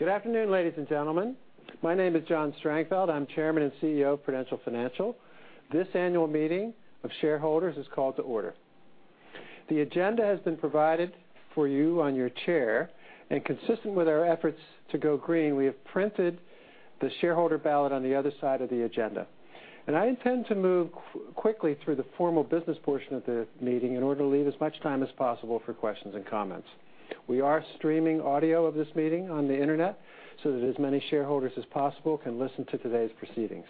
Good afternoon, ladies and gentlemen. My name is John Strangfeld. I am Chairman and CEO of Prudential Financial. This annual meeting of shareholders is called to order. The agenda has been provided for you on your chair. Consistent with our efforts to go green, we have printed the shareholder ballot on the other side of the agenda. I intend to move quickly through the formal business portion of the meeting in order to leave as much time as possible for questions and comments. We are streaming audio of this meeting on the Internet so that as many shareholders as possible can listen to today's proceedings.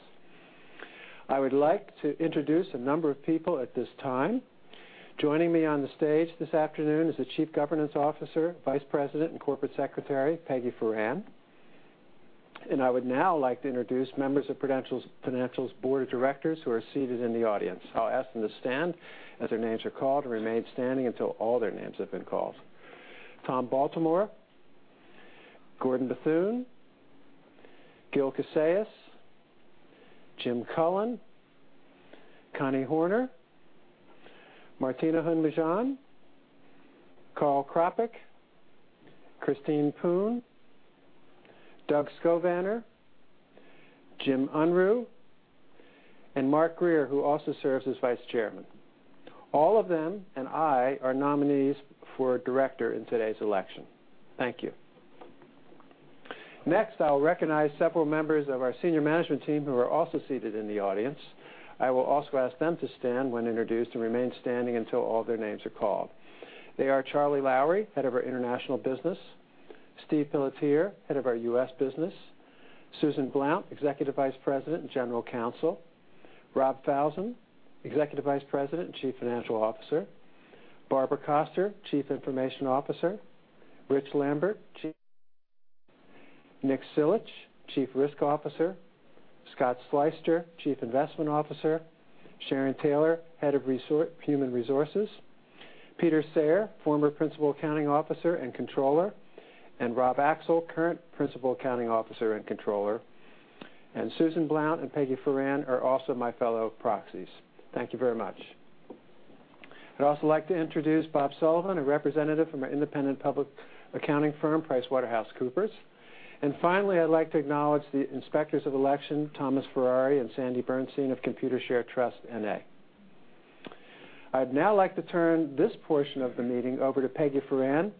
I would like to introduce a number of people at this time. Joining me on the stage this afternoon is the Chief Governance Officer, Vice President, and Corporate Secretary, Peggy Foran. I would now like to introduce members of Prudential Financial's board of directors, who are seated in the audience. I will ask them to stand as their names are called and remain standing until all their names have been called. Tom Baltimore, Gordon Bethune, Gil Casellas, Jim Cullen, Connie Horner, Martina Hund-Mejean, Karl J. Krapek, Christine Poon, Doug Scovanner, Jim Unruh, and Mark Grier, who also serves as Vice Chairman. All of them and I are nominees for director in today's election. Thank you. Next, I will recognize several members of our senior management team who are also seated in the audience. I will also ask them to stand when introduced and remain standing until all their names are called. They are Charlie Lowrey, head of our international business, Steve Pelletier, head of our U.S. business, Susan Blount, Executive Vice President and General Counsel, Rob Falzon, Executive Vice President and Chief Financial Officer, Barbara Koster, Chief Information Officer, Rich Lambert, Nick Silitch, Chief Risk Officer, Scott Sleyster, Chief Investment Officer, Sharon Taylor, Head of Human Resources, Peter Sayre, former Principal Accounting Officer and Controller, and Rob Axel, current Principal Accounting Officer and Controller. Susan Blount and Peggy Foran are also my fellow proxies. Thank you very much. I would also like to introduce Bob Sullivan, a representative from our independent public accounting firm, PricewaterhouseCoopers. Finally, I would like to acknowledge the Inspectors of Election, Thomas Ferrari and Sandy Bernstein of Computershare Trust NA. I would now like to turn this portion of the meeting over to Peggy Foran,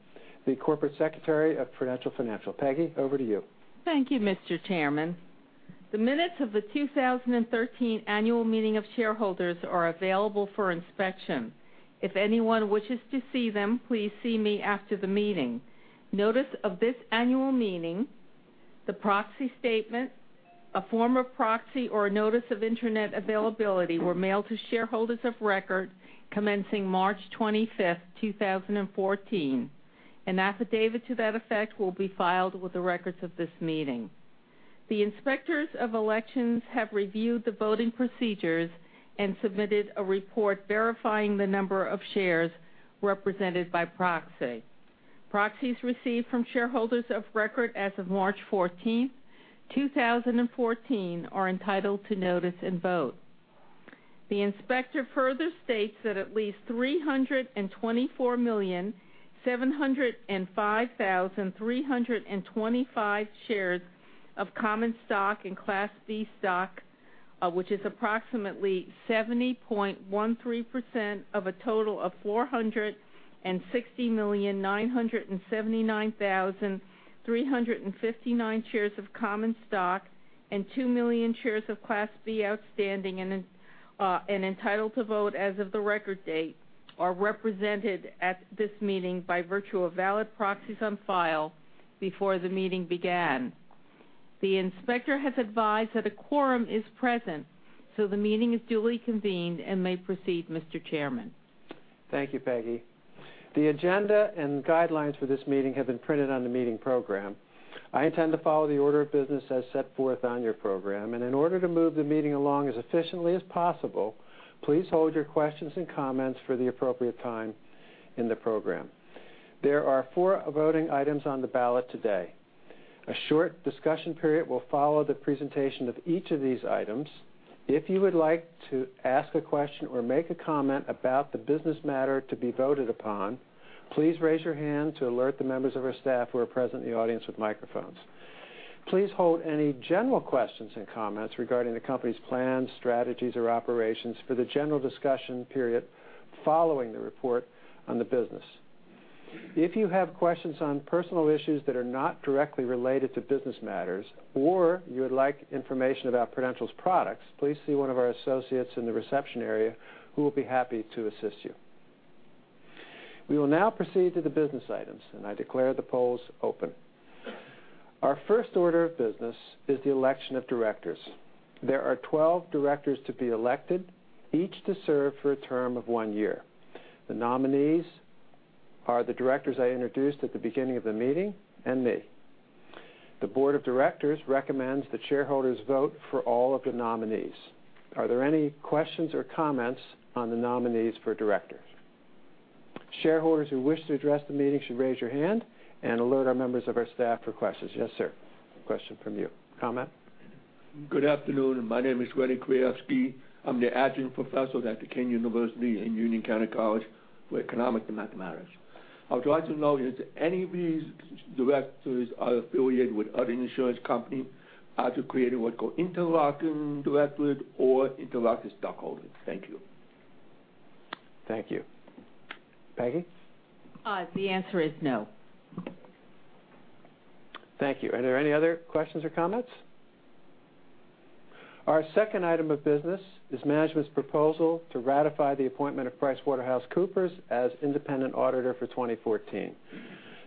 the Corporate Secretary of Prudential Financial. Peggy, over to you. Thank you, Mr. Chairman. The minutes of the 2013 annual meeting of shareholders are available for inspection. If anyone wishes to see them, please see me after the meeting. Notice of this annual meeting, the proxy statement, a form of proxy, or a notice of Internet availability were mailed to shareholders of record commencing March 25th, 2014. An affidavit to that effect will be filed with the records of this meeting. The Inspectors of Elections have reviewed the voting procedures and submitted a report verifying the number of shares represented by proxy. Proxies received from shareholders of record as of March 14th, 2014 are entitled to notice and vote. The inspector further states that at least 324,705,325 shares of common stock and Class B stock, which is approximately 70.13% of a total of 460,979,359 shares of common stock and 2 million shares of Class B outstanding and entitled to vote as of the record date, are represented at this meeting by virtue of valid proxies on file before the meeting began. The inspector has advised that a quorum is present, the meeting is duly convened and may proceed, Mr. Chairman. Thank you, Peggy. The agenda and guidelines for this meeting have been printed on the meeting program. I intend to follow the order of business as set forth on your program. In order to move the meeting along as efficiently as possible, please hold your questions and comments for the appropriate time in the program. There are four voting items on the ballot today. A short discussion period will follow the presentation of each of these items. If you would like to ask a question or make a comment about the business matter to be voted upon, please raise your hand to alert the members of our staff who are present in the audience with microphones. Please hold any general questions and comments regarding the company's plans, strategies, or operations for the general discussion period following the report on the business. If you have questions on personal issues that are not directly related to business matters or you would like information about Prudential's products, please see one of our associates in the reception area who will be happy to assist you. We will now proceed to the business items. I declare the polls open. Our first order of business is the election of directors. There are 12 directors to be elected, each to serve for a term of one year. The nominees are the directors I introduced at the beginning of the meeting and me. The board of directors recommends that shareholders vote for all of the nominees. Are there any questions or comments on the nominees for directors? Shareholders who wish to address the meeting should raise your hand and alert our members of our staff for questions. Yes, sir. Question from you. Comment? Good afternoon. My name is Rudy Krajewski. I'm the acting professor at Kean University in Union County College for economics and mathematics. I would like to know if any of these directors are affiliated with other insurance company after creating what called interlocking directorate or interlocking stockholders. Thank you. Thank you. Peggy? The answer is no. Thank you. Are there any other questions or comments? Our second item of business is management's proposal to ratify the appointment of PricewaterhouseCoopers as independent auditor for 2014.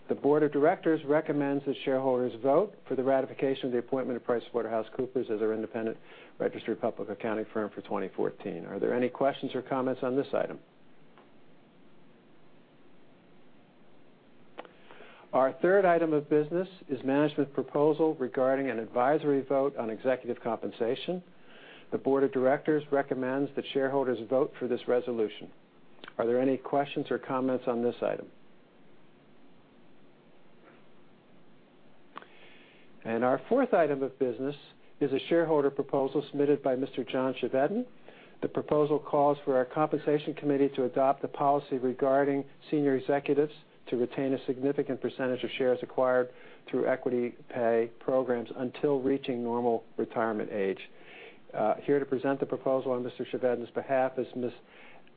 The board of directors recommends that shareholders vote for the ratification of the appointment of PricewaterhouseCoopers as our independent registered public accounting firm for 2014. Are there any questions or comments on this item? Our third item of business is management proposal regarding an advisory vote on executive compensation. The board of directors recommends that shareholders vote for this resolution. Are there any questions or comments on this item? Our fourth item of business is a shareholder proposal submitted by Mr. John Chevedden. The proposal calls for our compensation committee to adopt the policy regarding senior executives to retain a significant percentage of shares acquired through equity pay programs until reaching normal retirement age. Here to present the proposal on Mr. Chevedden's behalf is Ms.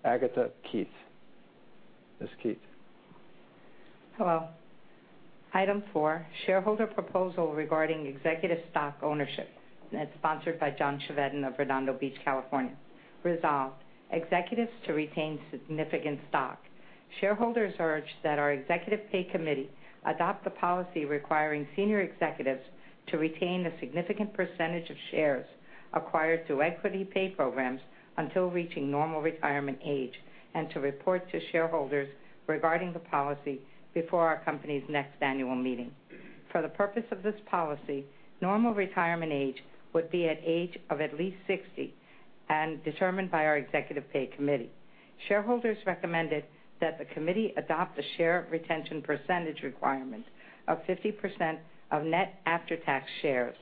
Agata Keith. Ms. Keith. Hello. Item four, shareholder proposal regarding executive stock ownership. It's sponsored by John Chevedden of Redondo Beach, California. Resolve, executives to retain significant stock. Shareholders urge that our executive pay committee adopt the policy requiring senior executives to retain a significant percentage of shares acquired through equity pay programs until reaching normal retirement age and to report to shareholders regarding the policy before our company's next annual meeting. For the purpose of this policy, normal retirement age would be at age of at least 60 and determined by our executive pay committee. Shareholders recommended that the committee adopt the share retention percentage requirement of 50% of net after-tax shares.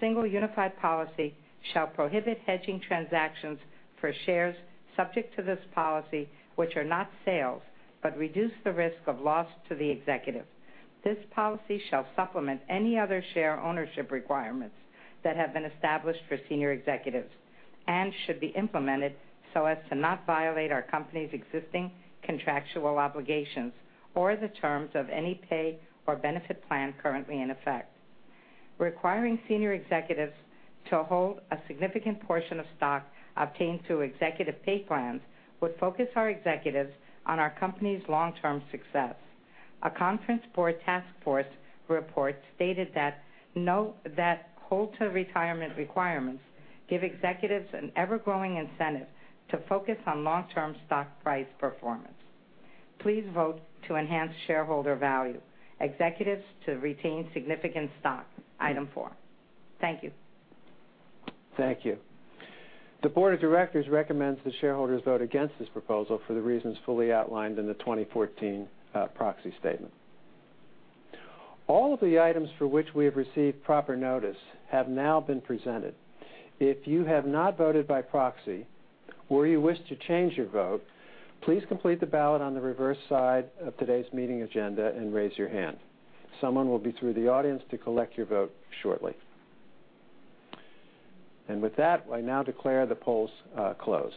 This single unified policy shall prohibit hedging transactions for shares subject to this policy, which are not sales, but reduce the risk of loss to the executive. This policy shall supplement any other share ownership requirements that have been established for senior executives and should be implemented so as to not violate our company's existing contractual obligations or the terms of any pay or benefit plan currently in effect. Requiring senior executives to hold a significant portion of stock obtained through executive pay plans would focus our executives on our company's long-term success. The Conference Board task force report stated that hold to retirement requirements give executives an ever-growing incentive to focus on long-term stock price performance. Please vote to enhance shareholder value. Executives to retain significant stock. Item four. Thank you. Thank you. The board of directors recommends the shareholders vote against this proposal for the reasons fully outlined in the 2014 proxy statement. All of the items for which we have received proper notice have now been presented. If you have not voted by proxy or you wish to change your vote, please complete the ballot on the reverse side of today's meeting agenda and raise your hand. Someone will be through the audience to collect your vote shortly. With that, I now declare the polls closed.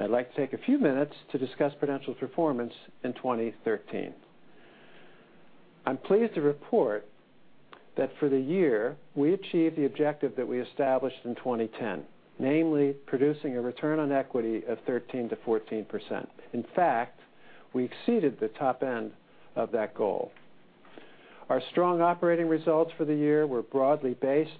I'd like to take a few minutes to discuss Prudential's performance in 2013. I'm pleased to report that for the year, we achieved the objective that we established in 2010, namely producing a return on equity of 13%-14%. In fact, we exceeded the top end of that goal. Our strong operating results for the year were broadly based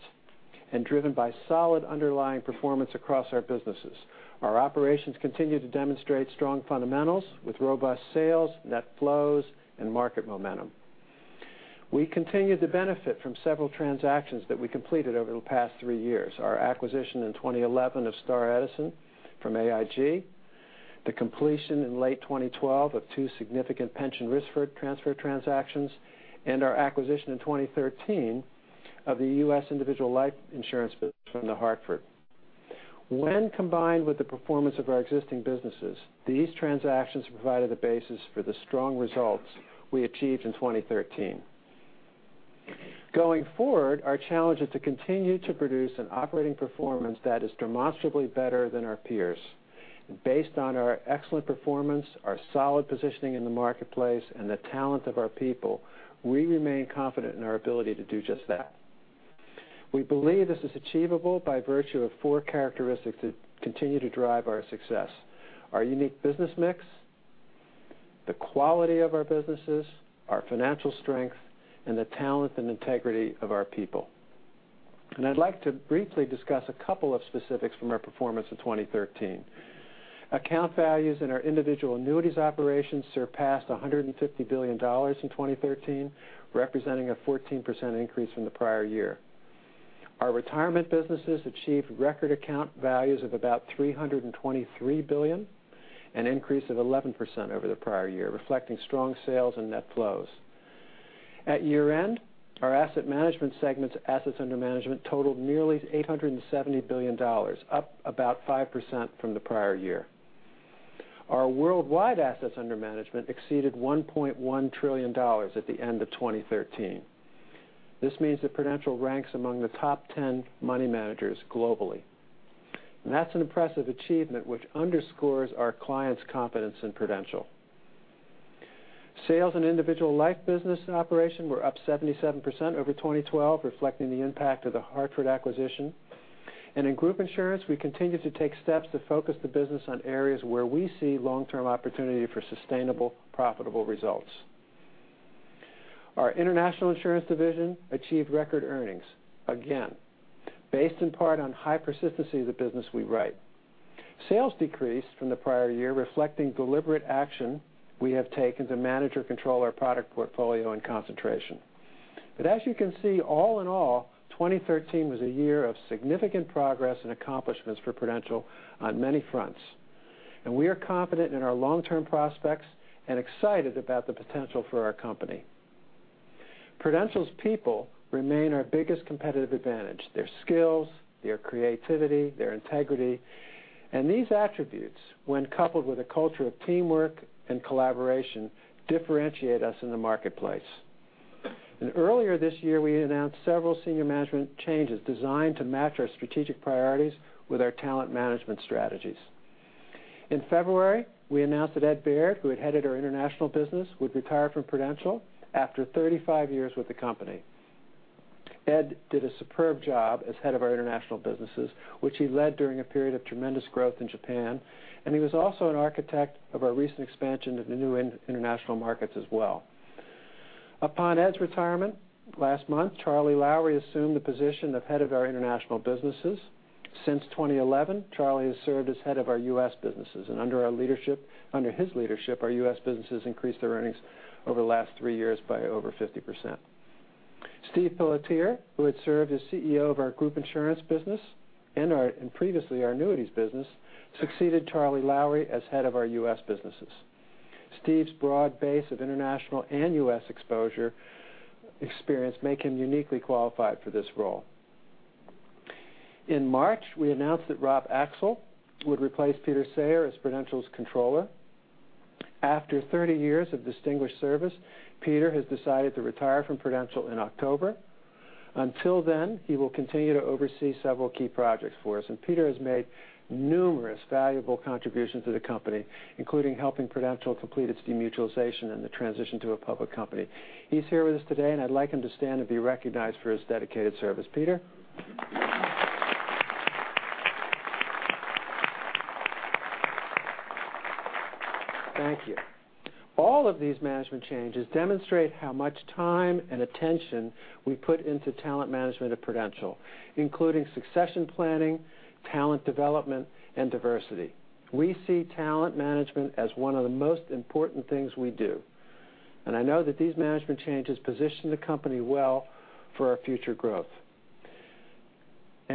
and driven by solid underlying performance across our businesses. Our operations continue to demonstrate strong fundamentals with robust sales, net flows, and market momentum. We continued to benefit from several transactions that we completed over the past three years, our acquisition in 2011 of Star Edison from AIG, the completion in late 2012 of two significant pension risk transfer transactions, and our acquisition in 2013 of the U.S. individual life insurance from The Hartford. When combined with the performance of our existing businesses, these transactions provided the basis for the strong results we achieved in 2013. Going forward, our challenge is to continue to produce an operating performance that is demonstrably better than our peers. Based on our excellent performance, our solid positioning in the marketplace, and the talent of our people, we remain confident in our ability to do just that. We believe this is achievable by virtue of four characteristics that continue to drive our success: our unique business mix, the quality of our businesses, our financial strength, and the talent and integrity of our people. I'd like to briefly discuss a couple of specifics from our performance in 2013. Account values in our individual annuities operations surpassed $150 billion in 2013, representing a 14% increase from the prior year. Our retirement businesses achieved record account values of about $323 billion. An increase of 11% over the prior year, reflecting strong sales and net flows. At year-end, our asset management segment's assets under management totaled nearly $870 billion, up about 5% from the prior year. Our worldwide assets under management exceeded $1.1 trillion at the end of 2013. This means that Prudential ranks among the top 10 money managers globally. That's an impressive achievement which underscores our clients' confidence in Prudential. Sales and individual life business operation were up 77% over 2012, reflecting the impact of The Hartford acquisition. In group insurance, we continued to take steps to focus the business on areas where we see long-term opportunity for sustainable, profitable results. Our international insurance division achieved record earnings, again, based in part on high persistency of the business we write. Sales decreased from the prior year, reflecting deliberate action we have taken to manage or control our product portfolio and concentration. As you can see, all in all, 2013 was a year of significant progress and accomplishments for Prudential on many fronts. We are confident in our long-term prospects and excited about the potential for our company. Prudential's people remain our biggest competitive advantage: their skills, their creativity, their integrity. These attributes, when coupled with a culture of teamwork and collaboration, differentiate us in the marketplace. Earlier this year, we announced several senior management changes designed to match our strategic priorities with our talent management strategies. In February, we announced that Ed Baird, who had headed our international business, would retire from Prudential after 35 years with the company. Ed did a superb job as head of our international businesses, which he led during a period of tremendous growth in Japan, and he was also an architect of our recent expansion into new international markets as well. Upon Ed's retirement last month, Charlie Lowrey assumed the position of head of our international businesses. Since 2011, Charlie has served as head of our U.S. businesses, and under his leadership, our U.S. businesses increased their earnings over the last three years by over 50%. Steve Pelletier, who had served as CEO of our group insurance business and previously our annuities business, succeeded Charlie Lowrey as head of our U.S. businesses. Steve's broad base of international and U.S. exposure experience make him uniquely qualified for this role. In March, we announced that Rob Axel would replace Peter Sayre as Prudential's controller. After 30 years of distinguished service, Peter has decided to retire from Prudential in October. Until then, he will continue to oversee several key projects for us, and Peter has made numerous valuable contributions to the company, including helping Prudential complete its demutualization and the transition to a public company. I'd like him to stand and be recognized for his dedicated service. Peter. Thank you. All of these management changes demonstrate how much time and attention we put into talent management at Prudential, including succession planning, talent development, and diversity. We see talent management as one of the most important things we do, and I know that these management changes position the company well for our future growth.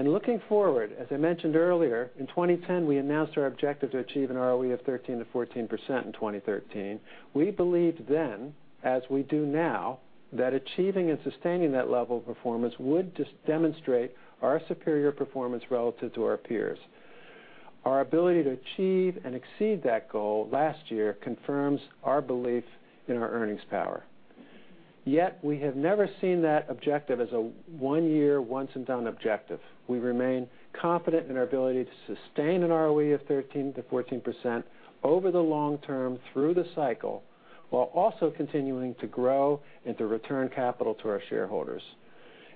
Looking forward, as I mentioned earlier, in 2010, we announced our objective to achieve an ROE of 13%-14% in 2013. We believed then, as we do now, that achieving and sustaining that level of performance would demonstrate our superior performance relative to our peers. Our ability to achieve and exceed that goal last year confirms our belief in our earnings power. We have never seen that objective as a one-year, once and done objective. We remain confident in our ability to sustain an ROE of 13%-14% over the long term through the cycle, while also continuing to grow and to return capital to our shareholders.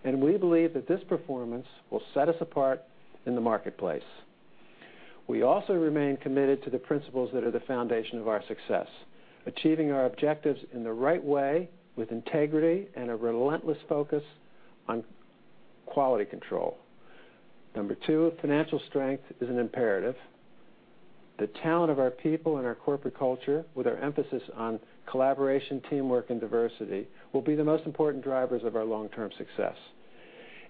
We believe that this performance will set us apart in the marketplace. We also remain committed to the principles that are the foundation of our success. Achieving our objectives in the right way with integrity and a relentless focus on quality control. Number two, financial strength is an imperative. The talent of our people and our corporate culture with our emphasis on collaboration, teamwork, and diversity will be the most important drivers of our long-term success.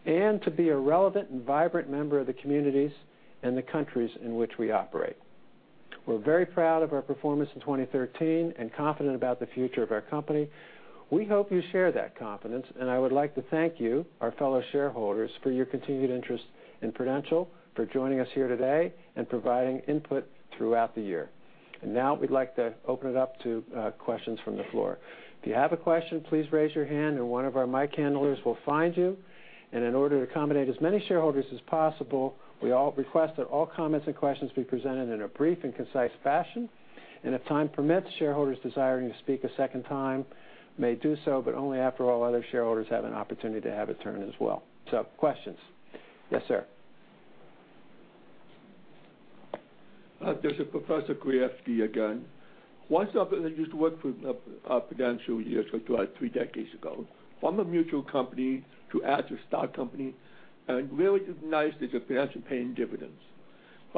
To be a relevant and vibrant member of the communities and the countries in which we operate. We're very proud of our performance in 2013 and confident about the future of our company. We hope you share that confidence, and I would like to thank you, our fellow shareholders, for your continued interest in Prudential, for joining us here today and providing input throughout the year. Now we'd like to open it up to questions from the floor. If you have a question, please raise your hand and one of our mic handlers will find you. In order to accommodate as many shareholders as possible, we request that all comments and questions be presented in a brief and concise fashion. If time permits, shareholders desiring to speak a second time may do so, but only after all other shareholders have an opportunity to have a turn as well. Questions? Yes, sir. This is Professor Krajewski again. Once, I used to work for Prudential years ago, three decades ago. From a mutual company to as a stock company, really it is nice that you're paying dividends.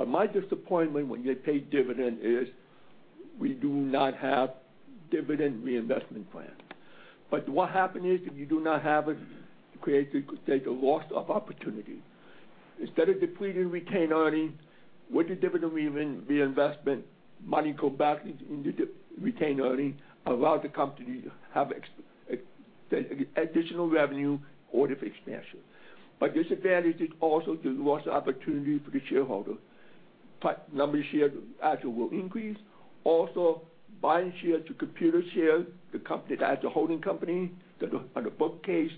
My disappointment when you pay dividend is we do not have dividend reinvestment plan. What happened is if you do not have it creates, say, the loss of opportunity. Instead of depleting retained earnings, with the dividend reinvestment, money go back into the retained earnings, allow the company to have additional revenue for the expansion. Disadvantage is also there's loss of opportunity for the shareholder. Number of shares actually will increase. Also, buying shares to Computershare, the company that has a holding company on the bookcase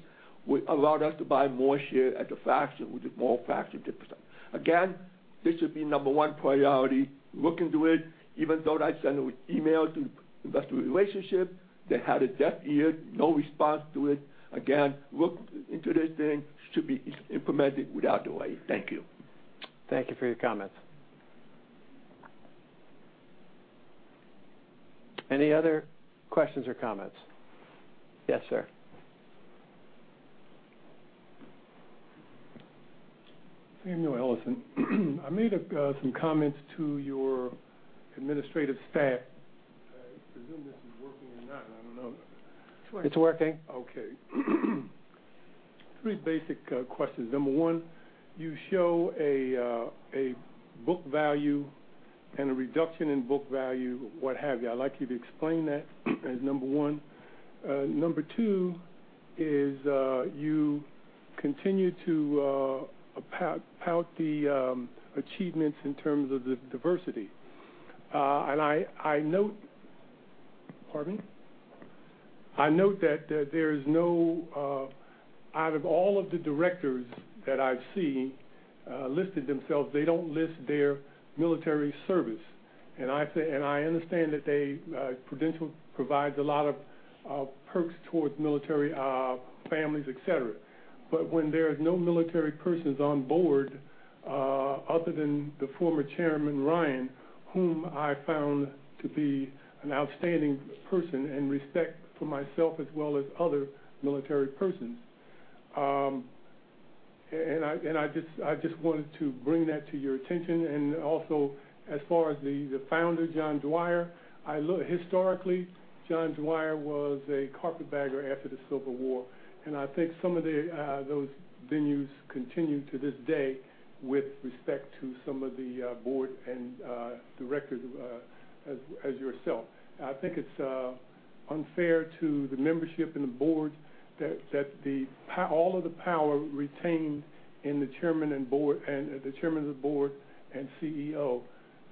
would allow us to buy more share at the fraction with more fraction. This should be number one priority. Look into it. Even though I sent an email to investor relationship, they had a deaf ear, no response to it. Again, look into this thing. Should be implemented right away. Thank you. Thank you for your comments. Any other questions or comments? Yes, sir. Samuel Ellison. I made some comments to your administrative staff. I presume this is working or not, I don't know. It's working. Okay. Three basic questions. Number one, you show a book value and a reduction in book value, what have you. I'd like you to explain that as number one. Number two is you continue to tout the achievements in terms of the diversity. I note Pardon? I note that out of all of the directors that I see listed themselves, they don't list their military service. I understand that Prudential provides a lot of perks towards military families, et cetera. When there is no military persons on board other than the former chairman, Ryan, whom I found to be an outstanding person and respect for myself as well as other military persons. I just wanted to bring that to your attention. As far as the founder, John Dwyer, historically, John Dwyer was a carpetbagger after the Civil War, and I think some of those venues continue to this day with respect to some of the board and directors as yourself. I think it's unfair to the membership and the board that all of the power retained in the chairman of the board and CEO.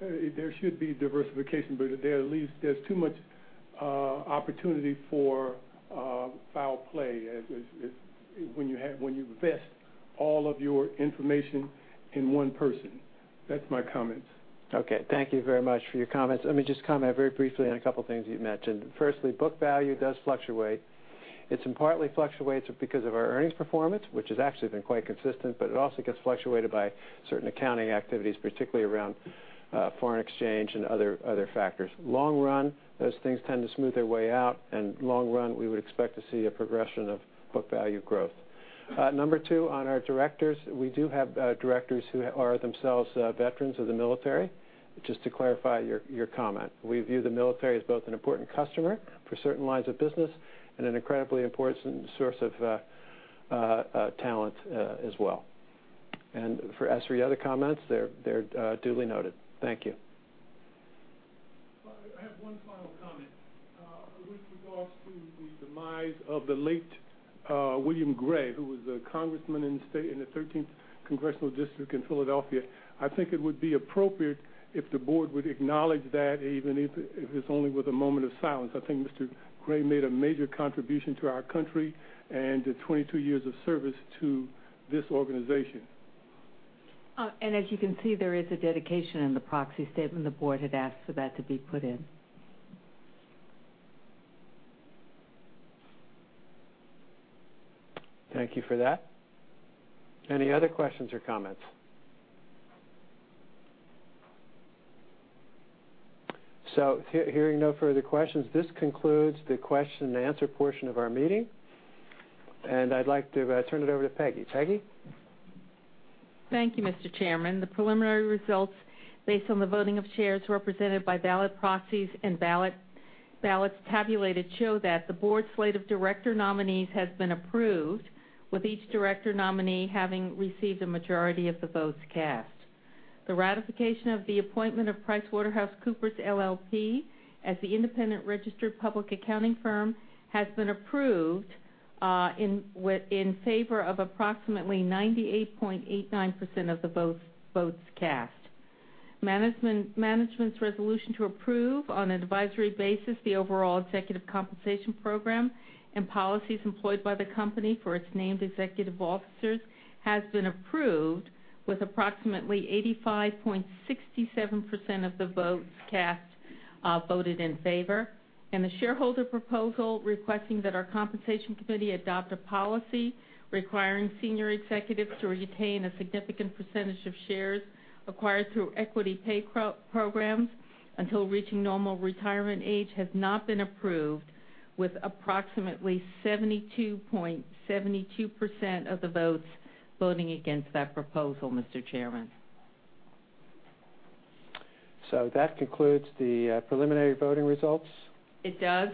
There should be diversification, there's too much opportunity for foul play when you vest all of your information in one person. That's my comments. Okay. Thank you very much for your comments. Let me just comment very briefly on a couple things you've mentioned. Firstly, book value does fluctuate. It's in partly fluctuates because of our earnings performance, which has actually been quite consistent, it also gets fluctuated by certain accounting activities, particularly around foreign exchange and other factors. Long run, those things tend to smooth their way out, long run, we would expect to see a progression of book value growth. Number two, on our directors, we do have directors who are themselves veterans of the military, just to clarify your comment. We view the military as both an important customer for certain lines of business and an incredibly important source of talent as well. As for your other comments, they're duly noted. Thank you. I have one final comment. With regards to the demise of the late William Gray, who was a congressman in the 13th Congressional District in Philadelphia. I think it would be appropriate if the board would acknowledge that, even if it's only with a moment of silence. I think Mr. Gray made a major contribution to our country and 22 years of service to this organization. As you can see, there is a dedication in the proxy statement. The Board had asked for that to be put in. Thank you for that. Any other questions or comments? Hearing no further questions, this concludes the question and answer portion of our meeting, and I'd like to turn it over to Peggy. Peggy? Thank you, Mr. Chairman. The preliminary results based on the voting of shares represented by ballot proxies and ballots tabulated show that the Board slate of director nominees has been approved, with each director nominee having received a majority of the votes cast. The ratification of the appointment of PricewaterhouseCoopers LLP as the independent registered public accounting firm has been approved in favor of approximately 98.89% of the votes cast. Management's resolution to approve, on an advisory basis, the overall executive compensation program and policies employed by the company for its named executive officers has been approved with approximately 85.67% of the votes cast voted in favor. The shareholder proposal requesting that our Compensation Committee adopt a policy requiring senior executives to retain a significant percentage of shares acquired through equity pay programs until reaching normal retirement age has not been approved, with approximately 72.72% of the votes voting against that proposal, Mr. Chairman. That concludes the preliminary voting results. It does,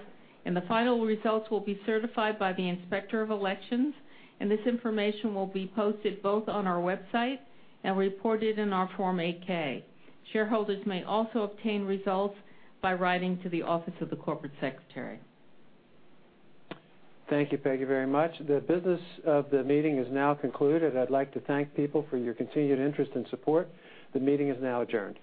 the final results will be certified by the Inspector of Elections, and this information will be posted both on our website and reported in our Form 8-K. Shareholders may also obtain results by writing to the Office of the Corporate Secretary. Thank you, Peggy, very much. The business of the meeting is now concluded. I'd like to thank people for your continued interest and support. The meeting is now adjourned.